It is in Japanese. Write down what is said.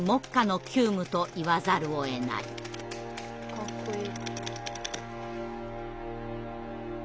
かっこいい。